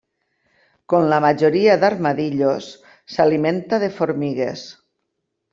Com la majoria d'armadillos, s'alimenta de formigues.